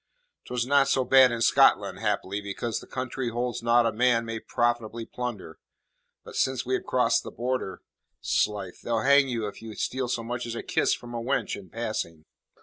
'Twas not so bad in Scotland haply because the country holds naught a man may profitably plunder but since we have crossed the Border, 'slife, they'll hang you if you steal so much as a kiss from a wench in passing."